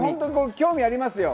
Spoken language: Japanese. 興味ありますよ。